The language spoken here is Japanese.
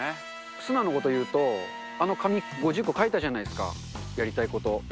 素直なことをいうと、あの紙、５０個書いたじゃないですか、やりたいこと。